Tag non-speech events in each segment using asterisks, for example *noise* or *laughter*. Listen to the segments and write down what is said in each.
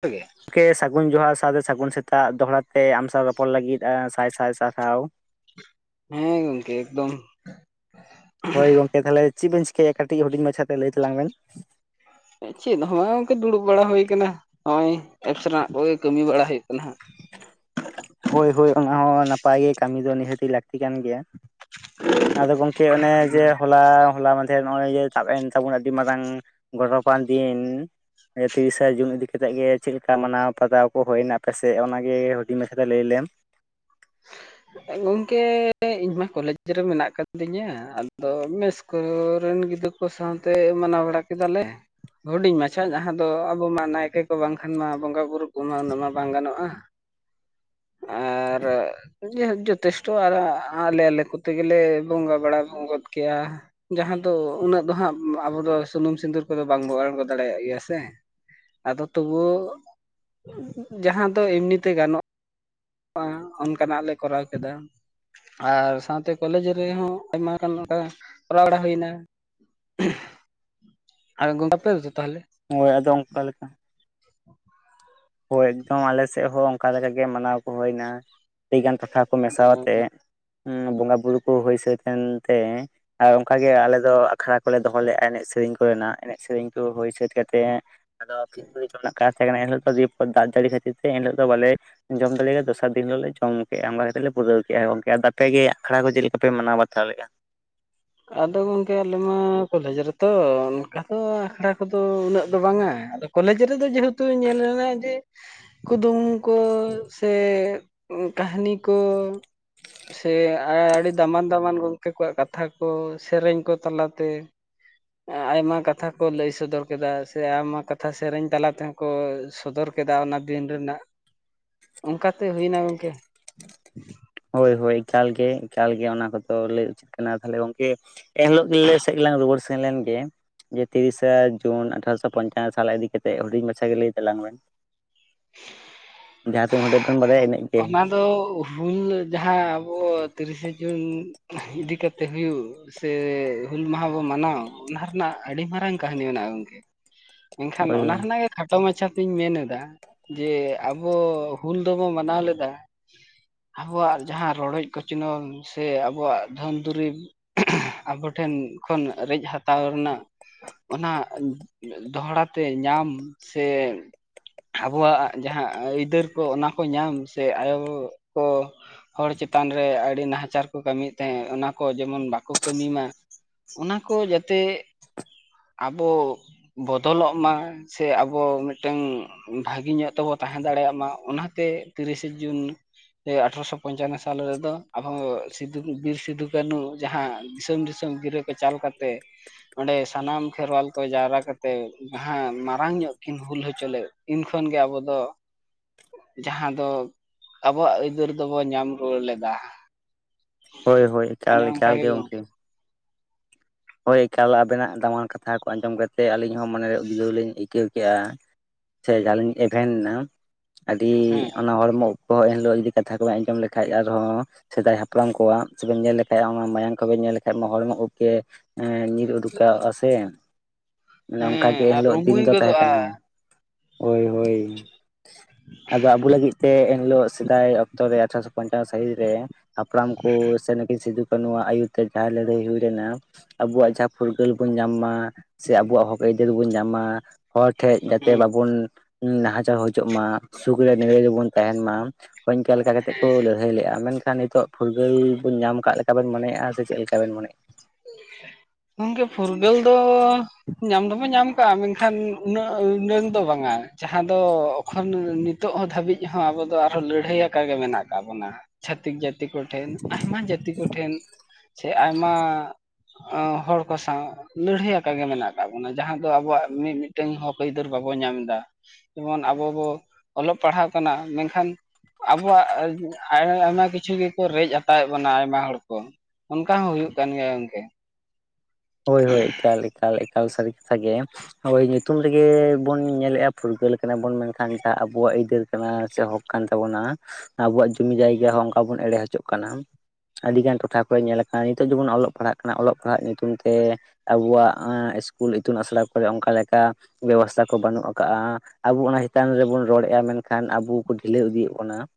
ᱛᱮᱜᱮ ᱠᱮ ᱥᱟᱹᱜᱩᱱ ᱡᱚᱦᱟᱨ ᱥᱟᱶᱛᱮ ᱥᱟᱹᱜᱩᱱ ᱥᱮᱛᱟᱜ ᱫᱚᱦᱲᱟ ᱛᱮ ᱟᱢᱥᱟᱶ ᱨᱚᱯᱚᱲ ᱞᱟᱹᱜᱤᱫ ᱥᱟᱭ ᱥᱟᱭ ᱥᱟᱨᱦᱟᱣ᱾ ᱦᱮᱸ ᱜᱚᱢᱠᱮ ᱮᱠᱫᱚᱢ᱾ ᱦᱳᱭ ᱜᱚᱝᱠᱮ ᱛᱟᱦᱚᱞᱮ ᱪᱮᱫ ᱵᱮᱱ ᱪᱤᱠᱟᱹᱭᱮᱫᱟ, ᱠᱟᱹᱴᱤᱡ ᱦᱩᱰᱤᱧ ᱢᱟᱪᱷᱟᱛᱮ ᱞᱟᱹᱭ ᱛᱟᱞᱟᱝ ᱵᱮᱱ᱾ ᱪᱮᱫ ᱦᱚᱸ ᱵᱟᱝ ᱜᱚᱝᱠᱮ ᱫᱩᱲᱩᱵ ᱵᱟᱲᱟ ᱦᱩᱭ ᱠᱟᱱᱟ ᱱᱚᱜᱼᱚᱭ ᱮᱯᱥ ᱨᱮᱱᱟᱜ ᱠᱚᱜᱮ ᱠᱟᱹᱢᱤ ᱵᱟᱲᱟ ᱦᱩᱭᱩᱜ ᱠᱟᱱᱟ ᱦᱟᱸᱜ᱾ ᱦᱳᱭ ᱦᱳᱭ ᱚᱱᱟ ᱦᱚᱸ ᱱᱟᱯᱟᱭ ᱜᱮ ᱠᱟᱹᱢᱤ ᱫᱚ ᱱᱤᱦᱟᱹᱛᱤ ᱞᱟᱹᱠᱛᱤ ᱠᱟᱱ ᱜᱮᱭᱟ᱾ ᱟᱫᱚ ᱜᱚᱝᱠᱮ ᱚᱱᱮ ᱡᱮ ᱦᱚᱞᱟ ᱦᱚᱞᱟ ᱢᱟᱫ *unintelligible* ᱱᱚᱜᱼᱚᱭ ᱡᱮ ᱛᱟᱵ ᱮᱱ ᱛᱟᱵᱚᱱ ᱟᱹᱰᱤ ᱢᱟᱨᱟᱝ ᱜᱚᱨᱚᱯᱟᱱ ᱫᱤᱱ᱾ ᱮ ᱛᱤᱨᱤᱥᱟ ᱡᱩᱱ ᱤᱫᱤ ᱠᱟᱛᱮᱜ ᱜᱮ ᱪᱮᱫ ᱞᱮᱠᱟ ᱢᱟᱱᱟᱣ ᱯᱟᱛᱟᱣ ᱠᱚ ᱦᱩᱭᱮᱱᱟ ᱯᱮᱥᱮ ᱚᱱᱟᱜᱮ ᱦᱩᱰᱤᱧ ᱢᱟ ᱞᱟᱹᱭ ᱞᱮᱢ᱾ ᱜᱚᱢᱠᱮ ᱤᱧᱢᱟ ᱠᱚᱞᱮᱡᱽ ᱨᱮ ᱢᱮᱱᱟᱜ ᱟᱠᱟᱫ ᱛᱤᱧᱟᱹ ᱟᱫᱚ ᱢᱮᱥ ᱠᱚ ᱨᱮᱱ ᱜᱤᱫᱽᱨᱟᱹ ᱠᱚ ᱥᱟᱶᱛᱮ ᱢᱟᱱᱟᱣ ᱵᱟᱲᱟ ᱠᱮᱫᱟᱞᱮ᱾ ᱦᱩᱰᱤᱧ ᱢᱟᱪᱷᱟ ᱡᱟᱦᱟᱸ ᱫᱚ ᱟᱵᱚ ᱢᱟ ᱱᱟᱭᱠᱮ ᱠᱚ ᱵᱟᱝᱠᱷᱟᱱ ᱢᱟ ᱵᱚᱸᱜᱟ ᱵᱩᱨᱩ ᱠᱚᱢᱟ ᱩᱱᱟᱹᱜ ᱢᱟ ᱵᱟᱝ ᱜᱟᱱᱚᱜᱼᱟ᱾ ᱟᱨ ᱡᱮ ᱡᱚᱛᱷᱮᱥᱴᱚ ᱟᱨ ᱟ ᱟᱞᱮ ᱟᱞᱮ ᱠᱚᱛᱮ ᱜᱮᱞᱮ ᱵᱚᱸᱜᱟ ᱵᱟᱲᱟ ᱜᱚᱫ ᱠᱮᱜ ᱟ᱾ ᱡᱟᱦᱟᱸ ᱫᱚ ᱩᱱᱟᱹᱜ ᱫᱚᱦᱟᱸᱜ ᱟᱵᱚ ᱫᱚ ᱥᱩᱱᱩᱢ ᱥᱤᱫᱩᱨ ᱠᱚᱫᱚ ᱵᱟᱝᱵᱚ ᱟᱬᱜᱚ ᱫᱟᱲᱮᱭᱟᱜ ᱜᱮᱭᱟ ᱥᱮ᱾ ᱟᱫᱚ ᱛᱚᱵᱩ ᱡᱟᱦᱟᱸ ᱫᱚ ᱮᱢᱱᱤ ᱛᱮ ᱜᱟᱱᱚᱜ ᱟ ᱚᱱᱠᱟᱱᱟᱜ ᱞᱮ ᱠᱚᱨᱟᱣ ᱠᱮᱫᱟ᱾ ᱟᱨ ᱥᱟᱶᱛᱮ ᱠᱚᱞᱮᱡᱽ ᱨᱮᱦᱚᱸ ᱟᱭᱢᱟ ᱜᱟᱱ ᱚᱱᱠᱟ ᱠᱚᱨᱟᱣ ᱵᱟᱲᱟ ᱦᱩᱭ ᱮᱱᱟ᱾ ᱟᱨ ᱜᱚᱢᱠᱮ ᱟᱯᱮ ᱫᱚ ᱛᱟᱦᱞᱮ᱾ ᱦᱳᱭ ᱟᱫᱚ ᱚᱱᱠᱟ ᱞᱮᱠᱟ ᱦᱳᱭ ᱮᱠᱫᱚᱢ ᱟᱞᱮ ᱥᱮᱫ ᱦᱚᱸ ᱚᱱᱠᱟ ᱞᱮᱠᱟ ᱜᱮ ᱢᱟᱱᱟᱣ ᱠᱚ ᱦᱩᱭ ᱮᱱᱟ᱾ ᱟᱹᱰᱤᱜᱟᱱ ᱴᱚᱴᱷᱟ ᱠᱚ ᱢᱮᱥᱟ ᱟᱛᱮᱫ ᱚᱸ ᱵᱚᱸᱜᱟ ᱵᱩᱨᱩ ᱠᱚ ᱦᱩᱭ ᱥᱟᱹᱛ ᱮᱱ ᱛᱮ ᱟᱨ ᱚᱱᱠᱟᱜᱮ ᱟᱞᱮ ᱫᱚ ᱟᱠᱷᱲᱟ ᱠᱚᱞᱮ ᱫᱚᱦᱚ ᱞᱮᱫᱼᱟ ᱮᱱᱮᱡ ᱥᱮᱨᱮᱧ ᱠᱚ ᱨᱮᱱᱟᱜ ᱮᱱᱮᱡ ᱥᱮᱨᱮᱧ ᱠᱚ ᱦᱩᱭ ᱥᱟᱹᱛ ᱠᱟᱛᱮᱫ ᱟᱫᱚ ᱯᱷᱤᱛ ᱨᱮᱱᱟᱜ ᱠᱟᱥ ᱛᱟᱦᱮᱸ ᱠᱟᱱᱟ ᱮᱱᱦᱤᱞᱳᱜ ᱫᱚ ᱫᱤ ᱫᱟᱜ ᱡᱟᱹᱲᱤ ᱠᱷᱟᱹᱛᱤᱨ ᱛᱮ ᱮᱱᱦᱤᱞᱳᱜ ᱫᱚ ᱵᱚᱞᱮ ᱡᱚᱢ ᱫᱟᱞᱮᱭᱟ ᱫᱚᱥᱟᱨ ᱫᱤᱱ ᱦᱤᱞᱳᱜ ᱞᱮ ᱡᱚᱢ ᱠᱮᱫ ᱚᱱᱠᱟ ᱠᱟᱛᱮ ᱞᱮ ᱯᱩᱨᱟᱹᱣ ᱠᱮᱫᱼᱟ ᱜᱚᱝᱠᱮ, ᱟᱯᱮ ᱟᱠᱷᱲᱟ ᱠᱚ ᱪᱮᱫ ᱞᱮᱠᱟ ᱯᱮ ᱢᱟᱱᱟᱣ ᱵᱟᱛᱟᱣ ᱞᱮᱫᱼᱟ᱾ ᱟᱫᱚ ᱜᱚᱢᱠᱮ ᱟᱞᱮ ᱢᱟ ᱠᱚᱞᱮᱡᱽ ᱨᱮᱛᱚ, ᱚᱱᱠᱟ ᱫᱚ ᱟᱠᱷᱲᱟ ᱠᱚᱫᱚ ᱩᱱᱟᱹᱜ ᱫᱚ ᱵᱟᱝᱟ, ᱟᱫᱚ ᱠᱚᱞᱮᱡᱽ ᱨᱮᱫᱚ ᱡᱮᱦᱮᱛᱩ ᱧᱮᱞ ᱞᱮᱱᱟ ᱡᱮ ᱠᱩᱫᱩᱢ ᱠᱚ ᱥᱮ ᱠᱟᱹᱦᱱᱤ ᱠᱚ ᱥᱮ ᱟᱹᱰᱤ ᱫᱟᱢᱟᱱ ᱫᱟᱢᱟᱱ ᱜᱚᱢᱠᱮ ᱠᱚᱣᱟᱜ ᱠᱟᱛᱷᱟ ᱠᱚ ᱥᱮᱨᱮᱧ ᱠᱚ ᱛᱟᱞᱟᱛᱮ ᱟᱭᱢᱟ ᱠᱟᱛᱷᱟ ᱠᱚ ᱞᱟᱹᱭ ᱥᱚᱫᱚᱨ ᱠᱮᱫᱟ ᱥᱮ ᱟᱭᱢᱟ ᱠᱟᱛᱷᱟ ᱥᱮᱨᱮᱧ ᱛᱟᱞᱟ ᱛᱮᱦᱚᱸ ᱠᱚ ᱥᱚᱫᱚᱨ ᱠᱮᱫᱟ, ᱚᱱᱟ ᱫᱤᱱ ᱨᱮᱱᱟᱜ ᱚᱱᱠᱟᱛᱮ ᱦᱩᱭ ᱮᱱᱟ ᱜᱚᱢᱠᱮ᱾ ᱦᱳᱭ ᱦᱳᱭ ᱮᱠᱟᱞ ᱜᱮ ᱮᱠᱟᱞ ᱜᱮ ᱚᱱᱟ ᱠᱚᱫᱚ ᱞᱟᱹᱭ ᱩᱪᱤᱛ ᱠᱟᱱᱟ ᱛᱟᱦᱞᱮ ᱜᱚᱝᱠᱮ᱾ ᱮᱱᱦᱤᱞᱳᱜ ᱜᱮᱞᱮ ᱥᱮᱫ ᱜᱮᱞᱟᱝ ᱨᱩᱣᱟᱹᱲ ᱥᱮᱱ ᱞᱮᱱᱜᱮ᱾ ᱡᱮ ᱛᱤᱨᱤᱥᱟ ᱡᱩᱱ ᱟᱴᱷᱟᱨᱚᱥᱚ ᱯᱚᱧᱪᱟᱱᱚ ᱥᱟᱞ ᱤᱫᱤᱠᱟ ᱠᱟᱛᱮᱫ ᱦᱩᱰᱤᱧ ᱢᱟᱪᱷᱟ ᱜᱮ ᱞᱟᱹᱭ ᱛᱟᱞᱟᱝ ᱢᱮᱱ᱾ ᱡᱟᱦᱟᱸ ᱛᱤᱱ ᱩᱰᱟᱝ ᱵᱮᱱ ᱵᱟᱲᱟᱭᱟ ᱤᱱᱟᱹᱜ ᱜᱮ ᱚᱱᱟ ᱫᱚ *unintelligible* ᱦᱩᱞ ᱡᱟᱦᱟᱸ ᱟᱵᱚ ᱛᱤᱨᱤᱥᱮ ᱡᱩᱱ ᱤᱫᱤ ᱠᱟᱛᱮ ᱦᱩᱭᱩᱜ ᱥᱮ ᱦᱩᱞ ᱢᱟᱦᱟᱸ ᱵᱚᱱ ᱢᱟᱱᱟᱣ, ᱚᱱᱟ ᱨᱮᱱᱟᱜ ᱟᱹᱰᱤ ᱢᱟᱨᱟᱝ ᱠᱟᱹᱦᱱᱤ ᱢᱮᱱᱟᱜᱼᱟ ᱜᱚᱢᱠᱮ᱾ ᱮᱱᱠᱷᱟᱱ ᱦᱳᱭ ᱚᱱᱟ ᱦᱳᱭ ᱨᱮᱱᱟᱜ ᱜᱮ ᱠᱷᱟᱴᱚ ᱢᱟᱪᱷᱟ ᱛᱤᱧ ᱢᱮᱱ ᱮᱫᱟ, ᱡᱮ ᱟᱵᱚ ᱦᱩᱞ ᱫᱚᱵᱚ ᱢᱟ ᱱᱟᱣ ᱞᱮᱫᱟ᱾ ᱟᱵᱚᱣᱟᱜ ᱡᱟᱦᱟᱸ ᱨᱚᱰᱚᱡ ᱠᱚᱪᱱᱚᱞ ᱥᱮ ᱟᱵᱚᱣᱟᱜ ᱫᱷᱚᱱ ᱫᱩᱨᱤᱵᱽ ᱟᱵᱚ ᱴᱷᱮᱱ ᱠᱷᱚᱱ ᱨᱮᱡ ᱦᱟᱛᱟᱣ ᱨᱮᱱᱟᱜ ᱚᱱᱟ ᱫᱚᱦᱲᱟ ᱛᱮ ᱧᱟᱢ ᱥᱮ ᱟᱵᱚᱣᱟᱜ ᱡᱟᱦᱟᱸ ᱟᱹᱭᱫᱟᱹᱨ ᱠᱚ ᱚᱱᱟ ᱠᱚ ᱧᱟᱢ ᱥᱮ ᱟᱭᱚ ᱠᱚ ᱦᱚᱲ ᱪᱮᱛᱟᱱ ᱨᱮ ᱟᱹᱰᱤ ᱱᱟᱦᱟᱪᱟᱨ ᱠᱚ ᱠᱟᱹᱢᱤᱭᱮᱫ ᱛᱟᱦᱮᱸᱫ ᱚᱱᱟᱠᱚ ᱡᱮᱢᱚᱱ ᱵᱟᱠᱚ ᱠᱟᱹᱢᱤ ᱢᱟ᱾ ᱚᱱᱟ ᱠᱚ ᱡᱟᱛᱮ ᱟᱵᱚ ᱵᱚᱫᱚᱞᱚᱜ ᱢᱟ᱾ ᱥᱮ ᱟᱵᱚ ᱢᱤᱫᱴᱟᱝ ᱵᱷᱟᱹᱜᱮ ᱧᱚᱜ ᱛᱮᱵᱚ ᱛᱟᱦᱮᱸ ᱫᱟᱲᱮᱭᱟᱜ ᱢᱟ, ᱚᱱᱟᱛᱮ ᱛᱤᱨᱤᱥᱮ ᱡᱩᱱ *unintelligible* ᱟᱴᱷᱨᱚᱥᱚ ᱯᱚᱧᱪᱟᱱᱚ ᱥᱟᱞ ᱨᱮᱫᱚ ᱟᱵᱚ ᱵᱤᱨ ᱥᱤᱫᱩ ᱠᱟᱹᱱᱩ ᱡᱟᱦᱟᱸ ᱫᱤᱥᱚᱢ ᱫᱤᱥᱚᱢ ᱜᱤᱨᱟᱹ ᱠᱮᱪᱟᱞ ᱠᱟᱛᱮ ᱚᱸᱰᱮ ᱥᱟᱱᱟᱢ ᱠᱷᱮᱨᱣᱟᱞ ᱠᱚ ᱡᱟᱣᱨᱟ ᱠᱟᱛᱮ, ᱡᱟᱦᱟᱸ ᱢᱟᱨᱟᱝ ᱧᱚᱜ ᱠᱤᱱ ᱦᱩᱞ ᱦᱚᱪᱚ ᱞᱮᱫ, ᱤᱱ ᱠᱷᱚᱱ ᱜᱮ ᱟᱵᱚ ᱫᱚ ᱡᱟᱦᱟᱸ ᱫᱚ ᱟᱵᱚᱣᱟᱜ ᱟᱹᱭᱫᱟᱹᱨ ᱫᱚᱵᱚ ᱧᱟᱢ ᱨᱩᱣᱟᱹᱲ ᱞᱮᱫᱟ ᱾ ᱦᱳᱭ ᱦᱳᱭ, ᱮᱠᱟᱞ ᱮᱠᱟᱞ ᱜᱮ ᱜᱚᱝᱠᱮ ᱾ ᱦᱳᱭ ᱮᱠᱟᱞ ᱟᱵᱮᱱᱟᱜ ᱫᱟᱢᱟᱱ ᱠᱟᱛᱷᱟ ᱠᱚ ᱟᱸᱡᱚᱢ ᱠᱟᱛᱮ ᱟᱹᱞᱤᱧ ᱦᱚᱸ ᱢᱚᱱᱮᱨᱮ ᱩᱫᱽᱜᱟᱹᱣ ᱞᱤᱧ ᱟᱹᱭᱠᱟᱹᱣ ᱠᱮᱜᱼᱟ᱾ ᱥᱮ ᱡᱟᱦᱟᱸᱞᱤᱧ ᱮᱵᱷᱮᱱ ᱮᱱᱟ, ᱟᱹᱰᱤ ᱦᱮᱸ ᱚᱱᱟ ᱦᱚᱲᱢᱚ ᱵᱚᱦᱚᱜ ᱮᱱ ᱦᱤᱞᱳᱜ ᱡᱩᱫᱤ ᱠᱟᱛᱷᱟ ᱠᱚ ᱵᱟ ᱟᱸᱡᱚᱢ ᱞᱮᱠᱷᱟᱡ ᱟᱨᱦᱚᱸ ᱥᱮᱫᱟᱭ ᱦᱟᱯᱲᱟᱢ ᱠᱚᱣᱟᱜ ᱥᱮᱵᱮᱱ ᱧᱮᱞ ᱞᱮᱠᱷᱟᱡ, ᱚᱱᱟ ᱢᱟᱭᱟᱢ ᱠᱚᱵᱮᱱ ᱧᱮᱞ ᱞᱮᱠᱷᱟᱡ ᱢᱟ ᱦᱚᱲᱢᱚ ᱩᱵᱠᱮ ᱦᱮᱸ, ᱧᱤᱨ ᱩᱰᱩ ᱠᱟᱜᱼᱟ ᱥᱮ ᱢᱟᱱᱮ ᱚᱱᱠᱟ ᱜᱮ ᱦᱮᱸ ᱟᱨ ᱮᱱᱦᱤᱞᱳᱜ ᱫᱤᱱ ᱨᱩᱢᱩᱭ ᱫᱚ ᱛᱟᱦᱮᱸ ᱜᱚᱫᱚᱜᱼᱟ ᱠᱟᱱᱟ ᱾ ᱦᱳᱭ ᱦᱳᱭ ᱾ ᱟᱫᱚ ᱟᱵᱚ ᱞᱟᱹᱜᱤᱫ ᱛᱮ ᱮᱱᱦᱤᱞᱳᱜ ᱥᱮᱫᱟᱭ ᱚᱠᱛᱚ ᱨᱮ ᱟᱴᱷᱨᱚᱥᱚ ᱯᱚᱧᱪᱟᱱᱱᱚ ᱥᱟᱹᱦᱤᱛ ᱨᱮ ᱦᱟᱯᱲᱟᱢ ᱠᱚ ᱥᱮ ᱱᱩᱠᱤᱱ ᱥᱤᱫᱩᱼᱠᱟᱱᱩᱣᱟᱜ ᱟᱹᱭᱩᱨ ᱛᱮ ᱡᱟᱦᱟᱸ ᱞᱟᱹᱲᱦᱟᱹᱭ ᱦᱩᱭ ᱞᱮᱱᱟ ᱾ ᱟᱵᱚᱣᱟᱜ ᱡᱟᱦᱟᱸ ᱯᱷᱩᱨᱜᱟᱹᱞ ᱵᱚᱱ ᱧᱟᱢᱟ, ᱥᱮ ᱟᱵᱚᱣᱟᱜ ᱦᱚᱠ ᱟᱹᱭᱫᱟᱹᱨ ᱵᱚᱱ ᱧᱟᱢ ᱢᱟ ᱾ ᱦᱚᱲ ᱴᱷᱮᱡ ᱡᱟᱛᱮ ᱦᱮᱸ ᱵᱟᱵᱚᱱ ᱱᱟᱦᱟᱪᱟᱨ ᱦᱚᱪᱚᱜ ᱢᱟ, ᱥᱩᱠ ᱨᱮ ᱱᱤᱨᱟᱹᱭ ᱜᱮᱵᱚᱱ ᱛᱟᱦᱮᱱ ᱢᱟ ᱾ ᱦᱚᱧᱼᱠᱟ ᱞᱮᱠᱟ ᱠᱟᱛᱮ ᱠᱚ ᱞᱟᱹᱲᱦᱟᱹᱭ ᱞᱮᱜᱼᱟ ᱾ ᱢᱮᱱᱠᱷᱟᱱ ᱱᱤᱛᱚᱜ, ᱯᱷᱩᱨᱜᱟᱹᱞ ᱵᱚᱱ ᱧᱟᱢ ᱟᱠᱟᱫ ᱞᱮᱠᱟᱵᱮᱱ ᱢᱚᱱᱮᱜᱼᱟ ᱥᱮ ᱪᱮᱫ ᱞᱮᱠᱟᱵᱮᱱ ᱢᱮᱱᱮᱭᱮᱜᱼᱟ? ᱜᱚᱝᱠᱮ ᱯᱷᱩᱨᱜᱟᱹᱞ ᱫᱚ ᱧᱟᱢ ᱫᱚᱵᱚ ᱧᱟᱢ ᱠᱟᱜᱼᱟ᱾ ᱢᱮᱱᱠᱷᱟᱱ ᱩᱱᱟᱹᱜ ᱩᱱᱟᱹᱝ ᱫᱚ ᱵᱟᱝᱟ ᱡᱟᱦᱟᱸ ᱫᱚ ᱮᱠᱷᱚᱱᱳ ᱱᱤᱛ ᱛᱚᱜ ᱦᱚᱸ ᱫᱷᱟᱹᱵᱤᱡ ᱦᱚᱸ ᱟᱵᱚ ᱫᱚ ᱟᱨᱦᱚᱸ ᱞᱟᱹᱲᱦᱟᱹᱭ ᱟᱠᱟᱜ ᱜᱮ ᱢᱮᱱᱟᱜ ᱟᱠᱟᱫ ᱵᱚᱱᱟ ᱾ ᱪᱷᱟᱛᱤᱠ ᱡᱟᱹᱛᱤ ᱠᱚᱴᱷᱮᱱ, ᱟᱭᱢᱟ ᱡᱟᱹᱛᱤ ᱠᱚᱴᱷᱮᱱ, ᱥᱮ ᱟᱭᱢᱟ ᱦᱚᱲ ᱠᱚ ᱥᱟᱶ ᱞᱟᱹᱲᱦᱟᱹᱭ ᱟᱠᱟ ᱢᱮᱱᱟᱜ ᱟᱠᱟᱫ ᱵᱚᱱᱟ, ᱡᱟᱦᱟᱸ ᱫᱚ ᱟᱵᱚᱣᱟᱜ ᱢᱤᱫ ᱢᱤᱫ ᱴᱟᱹᱝ ᱦᱚᱠ ᱟᱹᱭᱫᱟᱹᱨ ᱵᱟᱵᱚᱱ ᱧᱟᱢ ᱮᱫᱟ ᱾ ᱡᱮᱢᱚᱱ ᱟᱵᱚ ᱵᱚ ᱚᱞᱚᱜ ᱯᱟᱲᱦᱟᱣ ᱠᱟᱱᱟ ᱢᱮᱱᱠᱷᱟᱱ ᱟᱵᱚᱣᱟᱜ ᱟᱭᱢᱟ ᱠᱤᱪᱷᱩ ᱜᱮᱠᱚ ᱨᱮᱡ ᱦᱟᱛᱟᱣᱮᱫ ᱵᱚᱱᱟ ᱟᱭᱢᱟ ᱦᱚᱲ ᱠᱚ ᱾ ᱚᱱᱠᱟ ᱦᱚᱸ ᱦᱩᱭᱩᱜ ᱠᱟᱱ ᱜᱮᱭᱟ ᱜᱚᱝᱠᱮ ᱾ ᱦᱳᱭ ᱦᱳᱭ, ᱮᱠᱟᱞ ᱮᱠᱟᱞ, ᱮᱠᱟᱞ ᱥᱟᱹᱨᱤ ᱠᱟᱛᱷᱟ ᱜᱮ ᱾ ᱦᱳᱭ, ᱧᱩᱛᱩᱢ ᱨᱮᱜᱮ ᱵᱚᱱ ᱧᱮᱞᱮᱜᱼᱟ ᱯᱷᱩᱨᱜᱟᱹᱞ ᱠᱟᱱᱟ ᱵᱚᱱ ᱾ ᱢᱮᱱᱠᱷᱟᱱ ᱡᱟᱦᱟᱸ ᱟᱵᱚᱣᱟᱜ ᱟᱹᱭᱫᱟᱹᱨ ᱠᱟᱱᱟ, ᱥᱮ ᱦᱚᱠ ᱠᱟᱱ ᱛᱟᱵᱚᱱᱟ ᱾ ᱟᱵᱚᱣᱟᱜ ᱡᱚᱢᱤ ᱡᱟᱭᱜᱟ ᱦᱚᱸ ᱚᱱᱠᱟ ᱵᱚᱱ ᱮᱲᱮ ᱦᱚᱪᱚᱜ ᱠᱟᱱᱟ ᱾ ᱟᱹᱰᱤᱜᱟᱱ ᱴᱚᱴᱷᱟ ᱠᱚᱨᱮ ᱧᱮᱞ ᱟᱠᱟᱱᱟ ᱱᱤᱛᱚᱜ ᱡᱮᱢᱚᱱ ᱚᱞᱚᱜ ᱯᱟᱲᱦᱟᱜ ᱠᱟᱱᱟ, ᱚᱞᱚᱜ ᱯᱟᱲᱦᱟᱜ ᱧᱩᱛᱩᱢ ᱛᱮ ᱥᱮ ᱟᱵᱚᱣᱟᱜ ᱤᱥᱠᱩᱞ ᱤᱛᱩᱱ ᱟᱥᱲᱟ ᱠᱚᱨᱮ ᱚᱱᱠᱟ ᱞᱮᱠᱟ ᱵᱮᱵᱚᱥᱛᱷᱟ ᱠᱚ ᱵᱟᱹᱱᱩᱜ ᱟᱠᱟᱜᱼᱟ ᱾ ᱟᱵᱚ ᱚᱱᱟ ᱪᱮᱛᱟᱱ ᱨᱮᱵᱚᱱ ᱨᱚᱲᱮᱫᱼᱟ, ᱢᱮᱱᱠᱷᱟᱱ ᱟᱵᱚ ᱠᱚ ᱰᱷᱤᱞᱟᱹᱣ ᱤᱫᱤᱭᱮᱫ ᱵᱚᱱᱟ ᱾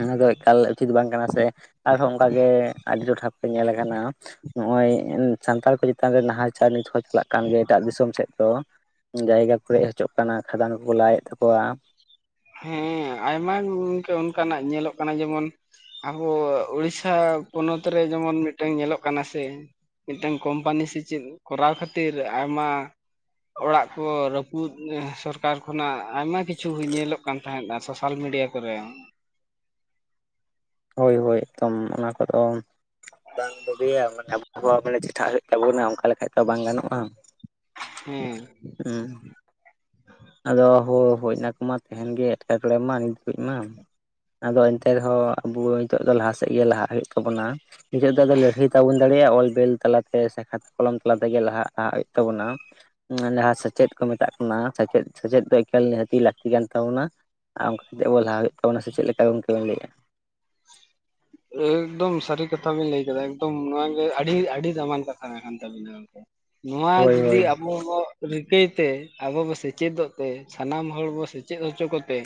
ᱚᱱᱟ ᱫᱚ ᱮᱠᱟᱞ ᱩᱪᱤᱛ ᱫᱚ ᱵᱟᱝ ᱠᱟᱱᱟ ᱥᱮ, ᱟᱨᱦᱚᱸ ᱚᱱᱠᱟ ᱜᱮ ᱟᱹᱰᱤ ᱴᱚᱴᱷᱟ ᱠᱚᱨᱮ ᱧᱮᱞ ᱟᱠᱟᱱᱟ ᱾ ᱱᱚᱜᱼᱚᱭ ᱥᱟᱱᱛᱟᱲ ᱠᱚ ᱪᱮᱛᱟᱱ ᱨᱮ ᱱᱟᱦᱟᱪᱟᱨ ᱱᱤᱛ ᱦᱚᱸ ᱪᱟᱞᱟᱜ ᱠᱟᱱ ᱜᱮ ᱮᱴᱟᱜ ᱫᱤᱥᱚᱢ ᱥᱮᱫ ᱫᱚ ᱾ ᱡᱟᱭᱜᱟ ᱠᱚ ᱨᱮᱡ ᱦᱚᱪᱚᱜ ᱠᱟᱱᱟ, ᱠᱷᱟᱫᱟᱱ ᱠᱚᱠᱚ ᱞᱟᱭᱮᱫ ᱛᱟᱠᱚᱣᱟ ᱾ ᱦᱮᱸ, ᱟᱭᱢᱟ ᱜᱮ ᱜᱚᱝᱠᱮ ᱚᱱᱠᱟ ᱱᱟᱜ ᱧᱮᱞᱚᱜ ᱠᱟᱱᱟ ᱡᱮᱢᱚᱱ ᱟᱵᱚ ᱩᱲᱤᱥᱟ ᱯᱚᱱᱚᱛ ᱨᱮ ᱡᱮᱢᱚᱱ ᱢᱤᱫᱴᱮᱱ ᱧᱮᱞᱚᱜ ᱠᱟᱱᱟ ᱥᱮ ᱢᱤᱫᱴᱮᱱ ᱠᱳᱢᱯᱟᱱᱤ ᱥᱮ ᱪᱮᱫ ᱠᱚᱨᱟᱣ ᱠᱷᱟᱹᱛᱤᱨ ᱟᱭᱢᱟ ᱚᱲᱟᱜ ᱠᱚ ᱨᱟᱹᱯᱩᱫ ᱥᱚᱨᱠᱟᱨ ᱠᱷᱚᱱᱟᱜ ᱟᱭᱢᱟ ᱠᱤᱪᱷᱩ ᱧᱮᱞᱚᱜ ᱠᱟᱱᱟ ᱾ ᱠᱟᱱ ᱛᱟᱦᱮᱸᱱᱟ ᱥᱳᱥᱟᱞ ᱢᱤᱰᱤᱭᱟ ᱠᱚᱨᱮ ᱾ ᱦᱳᱭ ᱦᱳᱭ, ᱮᱠᱫᱚᱢ ᱚᱱᱟ ᱠᱚᱫᱚ ᱾ ᱵᱟᱝ ᱵᱷᱟᱹᱜᱤᱭᱟ ᱢᱟᱱᱮ ᱟᱵᱚᱦᱟᱣᱟ *unintelligible* ᱢᱟᱱᱮ ᱪᱮᱴᱷᱟᱜ ᱦᱩᱭᱩᱜ ᱛᱟᱵᱚᱱᱟ ᱚᱱᱠᱟ ᱞᱮᱠᱷᱟᱡ ᱛᱚ ᱵᱟᱝ ᱜᱟᱱᱚᱜᱼᱟ ᱾ ᱦᱩᱸ ᱾ ᱦᱩᱸ ᱾ ᱟᱫᱚ ᱦᱳ ᱦᱚᱡᱼᱱᱟ ᱠᱚᱢᱟ ᱛᱟᱦᱮᱱ ᱜᱮ ᱮᱴᱠᱮᱴᱬᱮ ᱢᱟ ᱱᱤᱛ ᱠᱷᱚᱡ ᱢᱟ ᱟᱫᱚ ᱮᱱᱛᱮ ᱨᱮᱦᱚᱸ ᱟᱵᱚ ᱱᱤᱛᱚᱜ ᱫᱚ ᱞᱟᱦᱟ ᱥᱮᱫ ᱜᱮ ᱞᱟᱦᱟᱜ ᱦᱩᱭᱩᱜ ᱛᱟᱵᱚᱱᱟ ᱾ ᱱᱤᱛᱚᱜ ᱫᱚ ᱟᱵᱚ ᱞᱟᱹᱲᱦᱟᱹᱭ ᱛᱟᱵᱚᱱ ᱫᱟᱲᱮᱭᱟᱜᱼᱟ ᱚᱞᱵᱮᱞ ᱛᱟᱞᱟᱛᱮ ᱾ ᱥᱮᱠᱷᱟᱛ ᱠᱚᱞᱚᱢ ᱛᱟᱞᱟ ᱛᱮᱜᱮ ᱞᱟᱦᱟᱜ ᱟᱦᱟᱜ ᱦᱩᱭᱩᱜ ᱛᱟᱵᱚᱱᱟ, ᱡᱟᱦᱟᱸ ᱥᱮᱪᱮᱫ ᱠᱚ ᱢᱮᱛᱟᱜ ᱠᱟᱱᱟ ᱾ ᱚᱱᱟ ᱥᱮᱪᱮᱫ᱾ ᱥᱮᱪᱮᱫ ᱫᱚ ᱮᱠᱟᱞ ᱱᱤᱦᱟᱹᱛᱤ ᱞᱟᱹᱠᱛᱤ ᱠᱟᱱ ᱛᱟᱵᱚᱱᱟ, ᱟᱨ ᱚᱱᱠᱟ ᱠᱟᱮᱫ ᱟᱵᱚ ᱞᱟᱦᱟ ᱦᱩᱭᱩᱜ ᱛᱟᱵᱚᱱᱟ ᱥᱮ ᱪᱮᱫ ᱞᱮᱠᱟ ᱜᱚᱢᱠᱮ ᱵᱮᱱ ᱞᱟᱹᱭᱮᱫᱼᱟ᱾ ᱮᱠᱫᱚᱢ ᱥᱟᱹᱨᱤ ᱠᱟᱛᱷᱟ ᱵᱤᱱ ᱞᱟᱹᱭ ᱠᱮᱫᱟ ᱮᱠᱫᱚᱢ ᱱᱚᱣᱟ ᱜᱮ ᱟᱹᱰᱤ ᱟᱹᱰᱤ ᱫᱟᱢᱟᱱ ᱠᱟᱛᱷᱟ ᱠᱟᱱ ᱛᱟᱵᱤᱱᱟ ᱜᱚᱢᱠᱮ᱾ ᱱᱚᱣᱟ ᱦᱳᱭ ᱡᱩᱫᱤ ᱦᱳᱭ ᱟᱵᱚ ᱵᱚ ᱨᱤᱠᱟᱹᱭᱛᱮ ᱟᱵᱚ ᱵᱚ ᱥᱮᱪᱮᱫᱚᱜ ᱛᱮ ᱥᱟᱱᱟᱢ ᱦᱚᱲ ᱵᱚ ᱥᱮᱪᱮᱫ ᱦᱚᱪᱚ ᱠᱚᱛᱮ,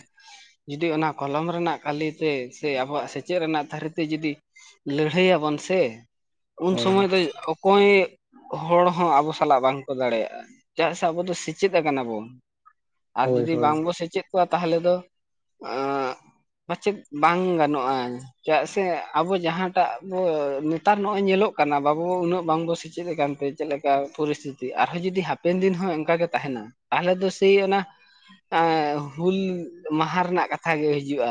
ᱡᱩᱫᱤ ᱚᱱᱟ ᱠᱚᱞᱚᱢ ᱨᱮᱱᱟᱜ ᱠᱟᱹᱞᱤᱛᱮ ᱥᱮ ᱟᱵᱚᱣᱟᱜ ᱥᱮᱪᱮᱫ ᱨᱮᱱᱟᱜ ᱛᱟᱹᱨᱤ ᱛᱮ, ᱛᱮ ᱡᱩᱫᱤ ᱞᱟᱹᱲᱦᱟᱹᱭ ᱭᱟᱵᱚᱱ ᱥᱮ ᱩᱱ ᱦᱳᱭ ᱥᱚᱢᱚᱭ ᱫᱚᱭ ᱚᱠᱚᱭ ᱦᱚᱲ ᱦᱚᱸ ᱟᱵᱚ ᱥᱟᱞᱟᱜ ᱵᱟᱝᱠᱚ ᱫᱟᱲᱮᱭᱟᱜᱼᱟ, ᱪᱟᱜ ᱥᱮ ᱟᱵᱚ ᱫᱚ ᱥᱮᱪᱮᱫ ᱟᱠᱟᱱᱟ ᱵᱚᱱ᱾ ᱟᱨ ᱦᱳᱭ ᱡᱩᱫᱤ ᱵᱟᱝᱵᱚ ᱥᱮᱪᱮᱫ ᱠᱚᱜ ᱟ ᱛᱟᱦᱚᱞᱮ ᱫᱚ ᱯᱟᱪᱮᱫ ᱵᱟᱝ ᱜᱟᱱᱚᱜᱼᱟ ᱪᱟᱜ ᱥᱮ ᱥᱮ ᱟᱵᱚ ᱡᱟᱦᱟᱸᱴᱟᱜ ᱵᱚ ᱱᱮᱛᱟᱨ ᱱᱚᱜᱼᱚᱭ ᱧᱮᱞᱚᱜ ᱠᱟᱱᱟ ᱵᱟᱵᱚ ᱩᱱᱟᱹᱜ ᱵᱟᱝᱵᱚ ᱥᱮᱪᱮᱫ ᱟᱠᱟᱱᱛᱮ, ᱪᱮᱫ ᱞᱮᱠᱟ ᱯᱚᱨᱤᱥᱛᱷᱤᱛᱤ ᱟᱨᱦᱚᱸ ᱡᱩᱫᱤ ᱦᱟᱯᱮᱱ ᱫᱤᱱ ᱦᱚᱸ ᱚᱱᱠᱟᱜᱮ ᱛᱟᱦᱮᱱᱟ ᱛᱟᱦᱚᱞᱮ ᱫᱚ ᱥᱮᱭ ᱚᱱᱟ ᱮ ᱦᱩᱞ ᱢᱟᱦᱟ ᱨᱮᱱᱟᱜ ᱠᱟᱛᱷᱟ ᱜᱮ ᱦᱤᱡᱩᱜᱼᱟ᱾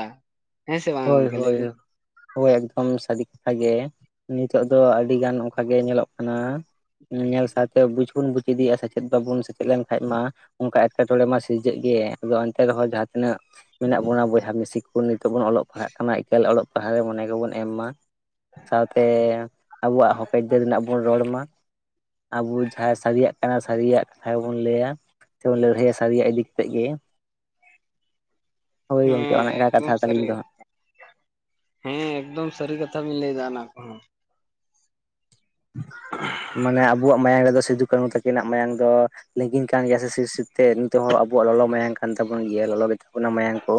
ᱦᱮᱸ ᱥᱮ ᱵᱟᱝ ᱦᱳᱭ ᱜᱚᱝᱠᱮ ᱞᱟᱹᱭ ᱦᱳᱭ᱾ ᱵᱤᱱ ᱦᱳᱭ ᱮᱠᱫᱚᱢ ᱥᱟᱹᱨᱤ ᱠᱟᱛᱷᱟ ᱜᱮ ᱱᱤᱛᱚᱜ ᱫᱚ ᱟᱹᱰᱤ ᱜᱟᱱ ᱚᱱᱠᱟ ᱜᱮ ᱧᱮᱞᱚᱜ ᱠᱟᱱᱟ᱾ ᱧᱮᱞ ᱥᱟᱣ ᱛᱮ ᱵᱩᱪ ᱵᱚᱱ ᱵᱩᱡ ᱤᱫᱤᱭᱟ ᱥᱮᱪᱮᱫ ᱫᱚᱵᱚᱱ ᱥᱮᱪᱮᱫ ᱞᱮᱱᱠᱷᱟᱡ ᱢᱟ ᱚᱱᱠᱟ ᱮᱴᱠᱮᱴᱚᱬᱮ ᱢᱟ ᱥᱤᱨᱡᱟᱹᱜ ᱜᱮ ᱟᱫᱚ ᱮᱱᱛᱮ ᱨᱮᱦᱚᱸ ᱡᱟᱦ ᱛᱤᱱᱟᱹᱜ ᱢᱮᱱᱟᱜ ᱵᱚᱱᱟ ᱵᱚᱭᱦᱟ ᱢᱤᱥᱤ ᱠᱚ ᱱᱤᱛᱚᱜ ᱵᱚᱱ ᱚᱞᱚᱜ ᱯᱟᱲᱦᱟᱜ ᱠᱟᱱᱟ ᱮᱠᱟᱞ ᱚᱞᱚᱜ ᱯᱟᱲᱦᱟᱜ ᱨᱮ ᱢᱚᱱᱮ ᱜᱮᱵᱚᱱ ᱮᱢ ᱢᱟ᱾ ᱥᱟᱶᱛᱮ ᱟᱵᱚᱣᱟᱜ ᱦᱚᱠ ᱟᱹᱭᱫᱟᱹᱨ ᱨᱮᱱᱟᱜ ᱵᱚᱱ ᱨᱚᱲᱢᱟ᱾ ᱟᱵᱚ ᱡᱟᱦᱟᱸ ᱥᱟᱹᱨᱤᱭᱟᱜ ᱠᱟᱱᱟ ᱥᱟᱹᱨᱤᱭᱟᱜ ᱠᱟᱛᱷᱟ ᱜᱮᱵᱚᱱ ᱞᱟᱹᱭᱟ᱾ ᱛᱚᱵᱚᱱ ᱞᱟᱹᱲᱦᱟᱹᱭ ᱥᱟᱨᱤᱭᱟᱜ ᱤᱫᱤ ᱠᱟᱛᱮᱫ ᱜᱮ ᱾ *unintelligible* ᱦᱳᱭ ᱜᱚᱢᱠᱮ ᱦᱮᱸ ᱚᱱᱠᱟ ᱮᱠᱫᱚᱢ ᱠᱟᱛᱷᱟ ᱥᱟᱹᱨᱤ ᱛᱟᱹᱞᱤᱧ ᱫᱚ ᱦᱟᱸᱜ᱾ ᱦᱮᱸ ᱮᱠᱫᱚᱢ ᱥᱟᱹᱨᱤ ᱠᱟᱛᱷᱟ ᱵᱮᱱ ᱞᱟᱹᱭ ᱮᱫᱟ ᱚᱱᱟ ᱠᱚᱸᱦᱚ᱾ ᱢᱟᱱᱮ ᱟᱵᱚᱣᱟᱜ ᱢᱟᱭᱟᱝ ᱨᱮᱫᱚ ᱥᱤᱫᱩ ᱠᱟᱹᱱᱩ ᱛᱟᱠ ᱛᱤᱠᱤᱱᱟᱜ ᱢᱟᱭᱟᱝ ᱫᱚ ᱞᱤᱸᱜᱤᱱ ᱠᱟᱱ ᱜᱮᱭᱟ ᱥᱮ ᱥᱤᱨᱼᱥᱤᱨᱛᱮ ᱱᱤᱛᱚᱜ ᱦᱚᱸ ᱟᱵᱚᱣᱟᱜ ᱞᱚᱞᱚ ᱢᱟᱭᱟᱝ ᱠᱟᱱ ᱛᱟᱵᱚᱱ ᱜᱮᱭᱟ ᱞᱚᱞᱚ ᱜᱮ ᱢᱟᱭᱟᱝ ᱠᱚ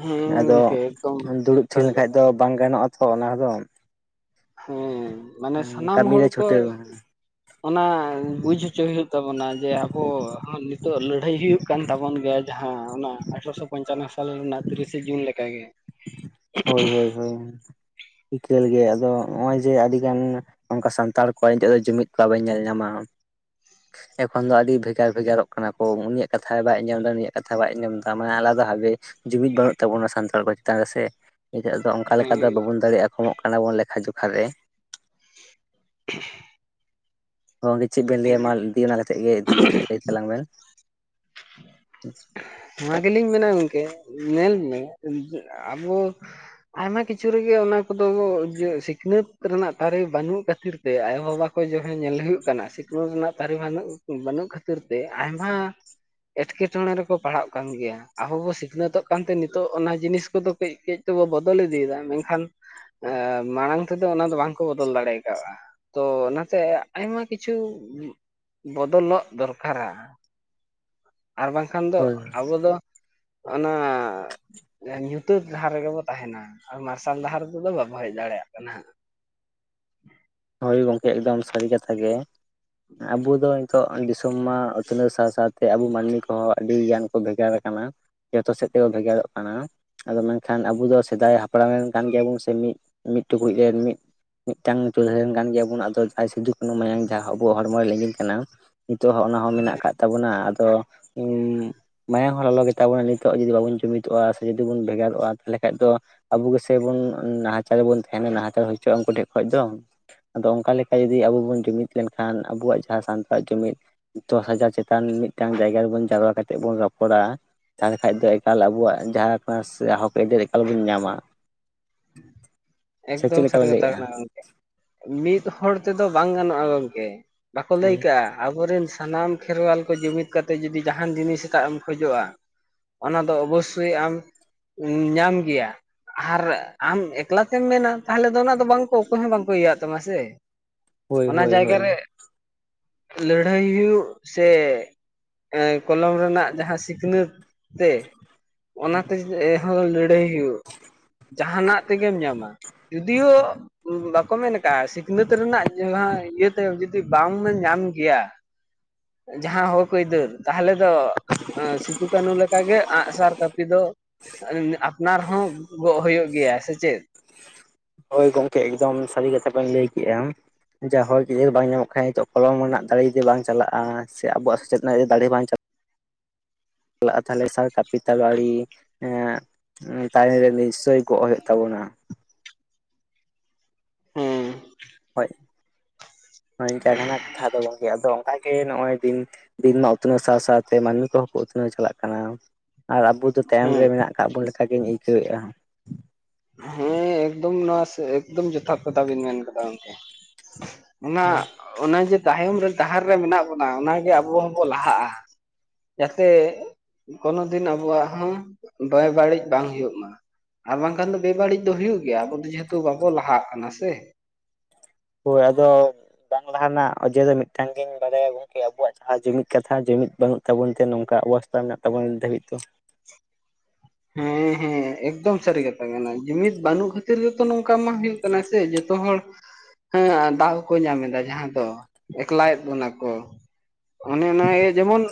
ᱦᱮᱸ ᱟᱫᱚ ᱜᱚᱝᱠᱮ ᱮᱠᱫᱚᱢ ᱫᱩᱲᱩᱵ ᱛᱷᱤᱨ ᱥᱟᱹᱨᱤ ᱞᱮᱱᱠᱷᱟᱡ ᱠᱟᱛᱷᱟ ᱫᱚ ᱵᱟᱝ ᱜᱟᱱᱚᱜᱼᱟ᱾ ᱛᱷᱚ ᱚᱱᱟ ᱫᱚ᱾ ᱦᱚᱸ, ᱢᱟᱱᱮ ᱥᱟᱱᱟᱢ ᱦᱚᱲ ᱠᱟᱹᱢᱤᱨᱮ ᱠᱚ ᱪᱷᱩᱴᱟᱹᱣ ᱚᱱᱟ ᱵᱩᱡ ᱦᱚᱪᱚ ᱦᱩᱭᱩᱜ ᱛᱟᱵᱚᱱᱟ ᱡᱮ ᱟᱵᱚ ᱱᱤᱛᱚᱜ ᱞᱟᱹᱲᱦᱟᱹᱭ ᱦᱩᱭᱩᱜ ᱠᱟᱱ ᱛᱟᱵᱚᱱ ᱜᱮᱭᱟ ᱡᱟᱦᱟᱸ ᱚᱱᱟ ᱟᱴᱷᱨᱚᱥᱚ ᱯᱚᱧᱪᱟᱱᱚ ᱥᱟᱞ ᱨᱮᱱᱟᱜ ᱛᱤᱨᱤᱥᱮ ᱡᱩᱱ ᱞᱮᱠᱟᱜᱮ᱾ ᱦᱳᱭ ᱦᱳᱭ ᱦᱳᱭ ᱤᱠᱟᱹᱞ ᱜᱮ ᱟᱫᱚ ᱱᱚᱜᱼᱚᱭ ᱡᱮ ᱟᱹᱰᱤ ᱜᱟᱱ ᱚᱱᱠᱟ ᱥᱟᱱᱛᱟᱲ ᱠᱚᱣᱟᱜ ᱱᱤᱛᱚᱜ ᱫᱚ ᱡᱩᱢᱤᱫ ᱵᱟᱵᱚᱱ ᱧᱮᱞ ᱧᱟᱢᱟ᱾ ᱮᱠᱷᱚᱱ ᱫᱚ ᱟᱹᱰᱤ ᱵᱷᱮᱜᱟᱨ ᱵᱷᱮᱜᱟᱨᱚᱜ ᱠᱟᱱᱟ ᱠᱚ ᱩᱱᱤᱭᱟᱜ ᱠᱟᱛᱷᱟ ᱵᱟᱭ ᱟᱸᱡᱚᱢᱫᱟ ᱫᱟ ᱱᱩᱭᱟᱜ ᱠᱟᱛᱷᱟ ᱵᱟᱭ ᱟᱸᱡᱚᱢ ᱮᱫᱟ ᱢᱟᱱᱮ ᱟᱞᱟᱫᱟ ᱵᱷᱟᱵᱮ ᱡᱩᱢᱤᱫ ᱵᱟᱹᱱᱩᱜ ᱛᱟᱵᱚᱱᱟ ᱥᱟᱱᱛᱟᱲ *unintelligible* ᱛᱟ ᱥᱮ ᱱᱤᱛᱚᱜ ᱫᱚ ᱚᱱᱠᱟ ᱞᱮᱠᱟ ᱫᱚ ᱦᱮᱸ ᱵᱟᱵᱚᱱ ᱫᱟᱲᱮᱭᱟᱜᱼᱟ ᱠᱚᱢᱚᱜ ᱠᱟᱱᱟ ᱵᱚᱱ ᱞᱮᱠᱷᱟ ᱡᱚᱠᱷᱟ ᱨᱮ᱾ ᱦᱚᱸ ᱪᱮᱫ ᱵᱮᱱ ᱞᱟᱹᱭᱟ ᱢᱟ ᱤᱫᱤ ᱚᱱᱟᱛᱮᱫ ᱜᱮ ᱤᱫᱤ ᱠᱟᱛᱮᱫ ᱞᱟᱹᱭ ᱛᱟᱞᱟᱝ ᱵᱮᱱ᱾ ᱱᱚᱣᱟ ᱜᱮᱞᱤᱧ ᱢᱮᱱᱟ ᱜᱚᱢᱠᱮ ᱧᱮᱞ ᱢᱮ ᱟᱵᱚ ᱟᱭᱢᱟ ᱠᱤᱪᱷᱩ ᱨᱮᱜᱮ ᱚᱱᱟ ᱠᱚᱫᱚ ᱤᱭᱟᱹ ᱥᱤᱠᱷᱱᱟᱹᱛ ᱨᱮᱱᱟᱜ ᱛᱟᱨᱮ ᱵᱟᱹᱱᱩᱜ ᱠᱷᱟᱹᱛᱤᱨ ᱛᱮ ᱟᱭᱳᱼᱵᱟᱵᱟ ᱠᱚ ᱡᱟᱦᱟᱸ ᱧᱮᱞ ᱦᱩᱭᱩᱜ ᱠᱟᱱᱟ ᱥᱤᱠᱷᱱᱟᱹᱛ ᱨᱮᱱᱟᱜ ᱛᱟᱨᱤ ᱵᱟᱹᱱᱩᱜ ᱵᱟᱹᱱᱩᱜ ᱠᱷᱟᱹᱛᱤᱨ ᱛᱮ ᱟᱭᱢᱟ ᱮᱴᱠᱮᱴᱚᱬᱮ ᱨᱮᱠᱚ ᱯᱟᱲᱦᱟᱜ ᱠᱟᱱ ᱜᱮᱭᱟ ᱟᱵᱚ ᱵᱚ ᱥᱤᱠᱷᱱᱟᱹᱛᱚᱜ ᱠᱟᱱᱛᱮ ᱱᱤᱛᱚᱜ ᱚᱱᱟ ᱡᱤᱱᱤᱥ ᱠᱚᱫᱚ ᱠᱟᱹᱡ ᱠᱟᱹᱡ ᱛᱮᱵᱚ ᱵᱚᱫᱚᱞ ᱤᱫᱤᱭᱮᱫᱟ, ᱢᱮᱱᱠᱷᱟᱱ ᱮ ᱢᱟᱲᱟᱝ ᱛᱮᱫᱚ ᱚᱱᱟ ᱫᱚ ᱵᱟᱝᱠᱚ ᱵᱚᱫᱚᱞ ᱫᱟᱲᱮᱠᱟᱣᱜᱼᱟ᱾ ᱛᱚ ᱚᱱᱟᱛᱮ ᱟᱭᱢᱟ ᱠᱤᱪᱷᱩ ᱵᱚᱫᱚᱞᱚᱜ ᱫᱚᱨᱠᱟᱨᱟ᱾ ᱟᱨ ᱵᱟᱝᱠᱷᱟᱱ ᱫᱚ ᱦᱳᱭ ᱟᱵᱚ ᱫᱚ ᱚᱱᱟ ᱧᱩᱛᱟᱹᱛ ᱰᱟᱦᱟᱨ ᱨᱮᱜᱮ ᱵᱚ ᱛᱟᱦᱮᱱᱟ ᱟᱨ ᱢᱟᱨᱥᱟᱞ ᱰᱟᱦᱟᱨ ᱨᱮᱫᱚ ᱵᱟᱵᱚ ᱦᱮᱡ ᱫᱟᱲᱮᱭᱟᱜ ᱠᱟᱱᱟ ᱦᱟᱸᱜ᱾ ᱦᱳᱭ ᱜᱚᱢᱠᱮ ᱮᱠᱫᱚᱢ ᱥᱟᱹᱨᱤ ᱠᱟᱛᱷᱟ ᱜᱮ ᱟᱵᱚ ᱫᱚ, ᱛᱚᱜ ᱫᱤᱥᱚᱢ ᱢᱟ ᱩᱛᱱᱟᱹᱣ ᱥᱟᱶ ᱥᱟᱶᱛᱮ ᱟᱵᱚ ᱢᱟᱹᱱᱢᱤ ᱠᱚᱦᱚᱸ ᱟᱹᱰᱤ ᱜᱟᱱ ᱠᱚ ᱵᱷᱮᱜᱟᱨ ᱟᱠᱟᱱᱟ᱾ ᱡᱚᱛᱚ ᱥᱮᱫ ᱛᱮᱠᱚ ᱵᱷᱮᱜᱟᱨᱚᱜ ᱠᱟᱱᱟ᱾ ᱟᱫᱚ ᱢᱮᱱᱠᱷᱟᱱ ᱟᱵᱚ ᱫᱚ ᱥᱮᱫᱟᱭ ᱦᱟᱯᱲᱟᱢ ᱨᱮᱱ ᱠᱟᱱ ᱜᱮᱭᱟᱵᱚᱱ ᱥᱮ ᱢᱤᱫ ᱢᱤᱫ ᱴᱩᱠᱩᱡ ᱨᱮᱱ ᱢᱤᱫ ᱢᱤᱫᱴᱟᱝ ᱪᱩᱞᱦᱟᱹ ᱨᱮᱱ ᱠᱟᱱ ᱜᱮᱭᱟ ᱵᱚᱱ ᱟᱫᱚ ᱡᱟᱦᱟᱸ ᱥᱤᱫᱷᱩᱼ ᱠᱟᱹᱱᱩ ᱢᱟᱭᱟᱝ ᱡᱟᱦᱟᱸ ᱟᱵᱚᱣᱟᱜ ᱦᱚᱲᱢᱚ ᱨᱮ ᱞᱤᱜᱤᱱ ᱠᱟᱱᱟ, ᱱᱤᱛᱚᱜ ᱦᱚᱸ ᱚᱱᱟᱦᱚᱸ ᱢᱮᱱᱟᱜ ᱟᱠᱟᱫ ᱛᱟᱵᱚᱱᱟ ᱟᱫᱚ *inaudible* ᱢᱟᱭᱟᱝ ᱦᱚᱸ ᱞᱚᱞᱚ ᱜᱮᱛᱟ ᱵᱚᱱᱟ ᱱᱤᱛᱚᱜ ᱡᱩᱫᱤ ᱵᱟᱵᱚᱱ ᱡᱩᱢᱤᱫᱚᱜᱼᱟ ᱥᱮ ᱡᱩᱫᱤ ᱵᱚᱱ ᱵᱷᱮᱜᱟᱨᱚᱜᱼᱟ ᱛᱟᱦᱚᱞᱮ ᱠᱷᱟᱡ ᱫᱚ, ᱟᱵᱚ ᱜᱮᱥᱮ ᱵᱚᱱ ᱱᱟᱦᱟᱪᱟᱨ ᱵᱚᱱ ᱛᱟᱦᱮᱱᱟ ᱱᱟᱦᱟᱪᱟᱨ ᱦᱚᱪᱚᱜᱼᱟ ᱩᱱᱠᱩ ᱴᱷᱮᱱ ᱠᱷᱚᱱ ᱫᱚ᱾ ᱟᱫᱚ ᱚᱱᱠᱟ ᱞᱮᱠᱟ ᱡᱩᱫᱤ ᱟᱵᱚ ᱵᱚᱱ ᱡᱩᱢᱤᱫ ᱞᱮᱱᱠᱷᱟᱱ ᱟᱵᱚᱣᱟᱜ ᱡᱟᱦᱟᱸ ᱥᱟᱱᱛᱟᱲᱟᱜ ᱡᱩᱢᱤᱫ, ᱫᱚᱥ ᱦᱟᱡᱟᱨ ᱪᱮᱛᱟᱱ ᱢᱤᱫᱴᱟᱝ ᱡᱟᱭᱜᱟ ᱨᱮᱵᱚᱱ ᱡᱟᱣᱨᱟ ᱠᱟᱛᱮᱫ ᱵᱚᱱ ᱨᱚᱯᱚᱲᱟ᱾ ᱛᱟᱦᱚᱞᱮ ᱠᱷᱟᱡ ᱫᱚ ᱮᱠᱟᱞ ᱟᱵᱚᱣᱟᱜ ᱡᱟᱦᱟᱸ ᱠᱟᱱᱟ ᱥᱮ ᱦᱚᱠ ᱟᱭᱫᱟᱨᱤ ᱮᱠᱟᱞ ᱵᱚᱱ ᱧᱟᱢᱟ᱾ ᱥᱮ ᱪᱮᱫ ᱮᱠᱫᱚᱢ ᱞᱮᱠᱟ ᱥᱟᱹᱨᱤ ᱵᱮᱱ ᱠᱟᱛᱷᱟ ᱞᱟᱹᱭᱮᱜᱼᱟ? ᱠᱟᱱᱟ ᱜᱚᱝᱠᱮ᱾ ᱢᱤᱫ ᱦᱚᱲ ᱛᱮᱫᱚ ᱵᱟᱝ ᱜᱟᱱᱚᱜᱼᱟ ᱜᱚᱝᱠᱮ, ᱵᱟᱠᱚ ᱞᱟᱹᱭ ᱦᱳᱭ ᱠᱟᱜᱼᱟ᱾ ᱟᱵᱚᱨᱮᱱ ᱥᱟᱱᱟᱢ ᱠᱷᱮᱨᱣᱟᱞ ᱠᱚ ᱡᱩᱢᱤᱫ ᱠᱟᱛᱮ ᱡᱩᱫᱤ ᱡᱟᱦᱟᱱ ᱡᱤᱱᱤᱥ ᱴᱟᱜ ᱮᱢ ᱠᱷᱚᱡᱚᱜᱼᱟ᱾ ᱚᱱᱟ ᱫᱚ ᱚᱵᱚᱥᱳᱭ ᱟᱢ ᱧᱟᱢ ᱜᱮᱭᱟ ᱟᱨ ᱟᱢ ᱮᱠᱞᱟ ᱛᱮᱢ ᱢᱮᱱᱟ ᱛᱟᱦᱚᱞᱮ ᱫᱚ ᱚᱱᱟ ᱫᱚ ᱵᱟᱝᱠᱚ ᱚᱠᱚᱭ ᱦᱚᱸ ᱵᱟᱝᱠᱚ ᱤᱭᱟᱣᱟᱜ ᱛᱟᱢᱟ ᱥᱮ, ᱚᱱᱟ ᱦᱳᱭ ᱡᱟᱭᱜᱟ ᱦᱳᱭ ᱨᱮ ᱞᱟᱹᱲᱦᱟᱹᱭ ᱦᱩᱭᱩᱜ ᱥᱮ ᱠᱚᱞᱚᱢ ᱨᱮᱱᱟᱜ ᱡᱟᱦᱟᱸ ᱥᱤᱠᱷᱱᱟᱹᱛ, ᱛᱮ ᱚᱱᱟᱛᱮᱦᱚᱸ ᱞᱟᱹᱲᱦᱟᱹᱭ ᱦᱩᱭᱩᱜ ᱡᱟᱦᱟᱱᱟᱜ ᱛᱮᱜᱮᱢ ᱧᱟᱢᱟ᱾ ᱡᱩᱫᱤᱭᱳᱜ ᱵᱟᱠᱚ ᱢᱮᱱ ᱠᱟᱜᱼᱟ ᱥᱤᱠᱷᱱᱟᱹᱛ ᱨᱮᱱᱟᱜ ᱡᱟᱦᱟᱸ ᱤᱭᱟᱹᱛᱮ ᱡᱩᱫᱤ ᱵᱟᱢ ᱧᱟᱢ ᱜᱮᱭᱟ, ᱡᱟᱦᱟᱸ ᱦᱳᱠ ᱟᱹᱭᱫᱟᱹᱨ᱾ ᱛᱟᱦᱚᱞᱮ ᱫᱚ ᱥᱤᱫᱩ ᱠᱟᱹᱱᱩ ᱞᱮᱠᱟᱜᱮ ᱟᱸᱜᱥᱟᱨ ᱠᱟᱹᱯᱤ ᱫᱚ ᱟᱯᱱᱟᱨ ᱦᱚᱸ ᱜᱚᱜ ᱦᱩᱭᱩᱜ ᱜᱮᱭᱟ ᱥᱮ ᱪᱮᱫ? ᱦᱚᱭ ᱜᱚᱢᱠᱮ ᱮᱠᱫᱚᱢ ᱥᱟᱹᱨᱤ ᱠᱟᱛᱷᱟ ᱵᱮᱱ ᱞᱟᱹᱭ ᱠᱮᱜᱼᱟ ᱾ ᱡᱮ ᱦᱚᱲ *unintelligible* ᱵᱟᱝ ᱧᱟᱢᱚᱜ ᱠᱷᱟᱱ ᱱᱤᱛᱚᱜ ᱠᱚᱞᱚᱢ ᱨᱮᱱᱟᱜ ᱫᱟᱲᱮ ᱡᱩᱫᱤ ᱵᱟᱝ ᱪᱟᱞᱟᱜᱼᱟ, ᱥᱮ ᱟᱵᱚᱣᱟᱜ ᱥᱮᱪᱮᱫ ᱨᱮᱱᱟᱜ ᱫᱟᱲᱮ ᱵᱟᱝ ᱪᱟᱼᱼ ᱪᱟᱞᱟᱜᱼᱟ ᱛᱟᱦᱚᱞᱮ ᱥᱟᱨ ᱠᱟᱹᱯᱤ ᱛᱟᱨᱣᱟᱲᱤ *unintelligible* ᱛᱟᱨᱮᱱ ᱨᱮ ᱱᱤᱥᱪᱚᱭ ᱜᱚᱜ ᱦᱩᱭᱩᱜ ᱛᱟᱵᱚᱱᱟ ᱾ ᱦᱮᱸ ᱦᱚᱭ, ᱦᱚᱭ ᱤᱱᱠᱟᱹ ᱠᱟᱱᱟ ᱠᱟᱛᱷᱟ ᱫᱚ ᱜᱚᱝᱠᱮ ᱟᱫᱚᱼᱼ ᱚᱱᱠᱟᱜᱮ ᱱᱚᱜᱼᱚᱭ ᱫᱤᱱ, ᱫᱤᱱ ᱢᱟ ᱩᱛᱱᱟᱹᱣ ᱥᱟᱶ ᱥᱟᱶᱛᱮ ᱢᱟᱹᱱᱢᱤ ᱠᱚᱦᱚᱸ ᱠᱚ ᱩᱛᱱᱟᱹᱣ ᱪᱟᱞᱟᱜ ᱠᱟᱱᱟ ᱾ ᱟᱨ ᱟᱵᱚ ᱫᱚ ᱛᱟᱭᱚᱢ ᱨᱮ ᱦᱮᱸ ᱢᱮᱱᱟᱜ ᱟᱠᱟᱫ ᱵᱚᱱ ᱞᱮᱠᱟ ᱜᱤᱧ ᱟᱹᱭᱠᱟᱹᱣᱮᱫᱼᱟ ᱾ ᱦᱮᱸ ᱮᱠᱫᱚᱢ ᱱᱚᱣᱟ ᱮᱠᱫᱚᱢ ᱡᱚᱛᱷᱟᱛ ᱠᱟᱛᱷᱟ ᱵᱤᱱ ᱢᱮᱱ ᱠᱟᱫᱟ ᱜᱚᱢᱠᱮ ᱾ ᱚᱱᱟ ᱚᱱᱮ ᱡᱮ ᱛᱟᱭᱚᱢ ᱨᱮ ᱰᱟᱦᱟᱨ ᱨᱮ ᱢᱮᱱᱟᱜ ᱵᱚᱱᱟ ᱚᱱᱟᱜᱮ ᱟᱵᱚ ᱦᱚᱸᱵᱚ ᱞᱟᱦᱟᱜᱼᱟ ᱾ ᱡᱟᱛᱮ ᱠᱳᱱᱳ ᱫᱤᱱ ᱟᱵᱚᱣᱟᱜ ᱦᱚᱸ ᱵᱮᱵᱟᱹᱲᱤᱡ ᱵᱟᱝ ᱦᱩᱭᱩᱜ ᱢᱟ ᱾ ᱟᱨ ᱵᱟᱝᱠᱷᱟᱱ ᱫᱚ ᱵᱮᱵᱟᱹᱲᱤᱡ ᱫᱚ ᱦᱩᱭᱩᱜ ᱜᱮᱭᱟ ᱟᱵᱚ ᱫᱚ ᱡᱮᱦᱮᱛᱩ ᱵᱟᱵᱚ ᱞᱟᱦᱟᱜ ᱠᱟᱱᱟ ᱥᱮ, ᱦᱚᱭ ᱟᱫᱚᱼᱼ ᱵᱟᱝ ᱞᱟᱦᱟ ᱨᱮᱱᱟᱜ ᱚᱡᱮ ᱫᱚ ᱢᱤᱫᱴᱟᱝ ᱜᱤᱧ ᱵᱟᱲᱟᱭᱟ ᱜᱚᱝᱠᱮ ᱟᱵᱚᱣᱟᱜ ᱡᱟᱦᱟᱸ ᱡᱩᱢᱤᱫ ᱠᱟᱛᱷᱟ ᱡᱩᱢᱤᱫ ᱵᱟᱹᱱᱩᱜ ᱾ ᱛᱟᱵᱚᱱ ᱛᱮ ᱱᱚᱝᱠᱟ ᱚᱵᱚᱥᱛᱟ ᱢᱮᱱᱟᱜ ᱛᱟᱵᱚᱱᱟ ᱱᱤᱛ ᱫᱷᱟᱹᱵᱤᱡ ᱛᱮ, ᱦᱮᱸ ᱦᱮᱸ ᱮᱠᱫᱚᱢ ᱥᱟᱹᱨᱤ ᱠᱟᱛᱷᱟ ᱠᱟᱱᱟ ᱡᱩᱢᱤᱫ ᱵᱟᱹᱱᱩᱜ ᱠᱷᱟᱹᱛᱤᱨ ᱜᱮᱛᱚ ᱱᱚᱝᱠᱟ ᱢᱟ ᱦᱩᱭᱩᱜ ᱾ ᱠᱟᱱᱟ ᱥᱮ ᱡᱚᱛᱚ ᱦᱚᱲᱼᱼ ᱦᱮᱸ ᱦᱮᱸ ᱫᱟᱜ ᱦᱚᱸᱠᱚ ᱧᱟᱢ ᱮᱫᱟ ᱡᱟᱦᱟᱸ ᱫᱚ ᱮᱠᱞᱟᱭᱮᱫ ᱵᱚᱱᱟ ᱠᱚ, ᱚᱱᱮ ᱚᱱᱟ ᱜᱮ ᱡᱮᱢᱚᱱ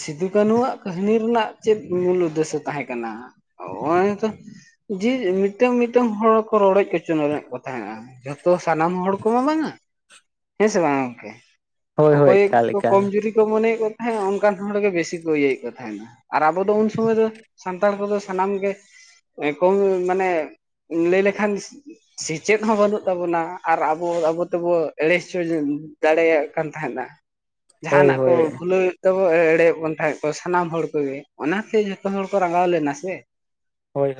ᱥᱤᱫᱩ ᱠᱟᱹᱱᱩᱣᱟᱜ ᱠᱟᱹᱦᱱᱤ ᱨᱮᱱᱟᱜ ᱪᱮᱫ ᱢᱩᱞ ᱩᱫᱮᱥᱚ ᱛᱟᱦᱮᱸ, ᱠᱟᱱᱟ ᱚᱱᱮᱛᱚ *unintelligible* ᱡᱮ ᱢᱤᱫᱴᱟᱝ ᱢᱤᱫᱴᱟᱝ ᱦᱚᱲ ᱠᱚ ᱨᱚᱰᱚᱡ ᱠᱚᱪᱚᱞᱚᱸᱱ ᱮᱫ ᱠᱚ ᱛᱟᱦᱮᱸᱱᱟ ᱡᱚᱛᱼᱼ ᱛᱚ ᱥᱟᱱᱟᱢ ᱦᱚᱲ ᱠᱚᱢᱟ ᱵᱟᱝᱼᱟ, ᱦᱮᱸᱥᱮ ᱵᱟᱝᱼᱟ ᱜᱚᱝᱠᱮ, ᱦᱳᱭ ᱦᱳᱭ ᱚᱠᱚᱭ ᱮᱠᱟᱞ ᱠᱚ ᱮᱠᱟᱞ ᱠᱚᱢᱡᱩᱨᱤᱼᱼ ᱠᱚ ᱢᱚᱱᱮᱭᱮᱫ ᱠᱚ ᱛᱟᱦᱮᱸᱫ ᱚᱱᱠᱟᱱ ᱦᱚᱲ ᱜᱮ ᱵᱮᱥᱤ ᱠᱚ ᱤᱭᱟᱹᱭᱮᱫ ᱠᱚ ᱛᱟᱦᱮᱸᱱᱟ, ᱟᱨ ᱟᱵᱚ ᱫᱚ ᱩᱱ ᱥᱚᱢᱚᱭ ᱫᱚᱼᱼ ᱥᱟᱱᱛᱟᱲ ᱠᱚᱫᱚ ᱥᱟᱱᱟᱢ ᱜᱮ ᱠᱚᱢ ᱢᱟᱱᱮ ᱞᱟᱹᱭ ᱞᱮᱠᱷᱟᱱᱼᱼ ᱥᱮᱪᱮᱫ ᱦᱚᱸ ᱵᱟᱹᱱᱩᱜ ᱛᱟᱵᱚᱱᱟ ᱟᱨ ᱟᱵᱚ ᱟᱵᱚ ᱛᱮᱵᱚ ᱮᱲᱮ ᱦᱚᱪᱚ *unintelligible* ᱫᱟᱲᱮᱭᱟᱜ ᱠᱟᱱ ᱛᱟᱦᱮᱸᱱᱟ ᱾ ᱦᱳᱭ ᱡᱟᱦᱟᱱᱟᱜ ᱠᱚ ᱦᱳᱭ ᱵᱷᱩᱞᱟᱹᱣ ᱛᱮᱵᱚ ᱮᱲᱮᱫ ᱵᱚᱱ ᱛᱟᱦᱮᱸᱫ ᱥᱟᱱᱟᱢ ᱦᱚᱲ ᱠᱚᱜᱮ ᱚᱱᱟᱛᱮ ᱡᱚᱛᱚ ᱦᱚᱲᱼᱼ ᱠᱚ ᱨᱟᱸᱜᱟᱣ ᱞᱮᱱᱟ ᱥᱮ ᱾ ᱦᱚ *unintelligible* ᱭ